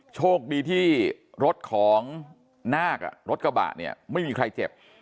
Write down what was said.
โชคดีที่รถของนาครถกระบะเนี่ยไม่มีใครเจ็บ